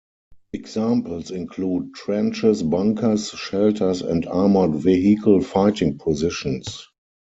Examples include trenches, bunkers, shelters, and armored vehicle fighting positions.